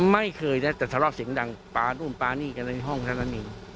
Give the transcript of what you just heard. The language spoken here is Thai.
ไม่เคยนะแต่ทะเลาะเสียงดังปลานู่นปลานี่กันในห้องแค่นั้นเอง